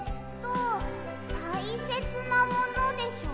たいせつなものでしょ。